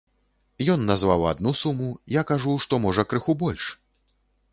Ён назваў адну суму, я кажу, што, можа, крыху больш.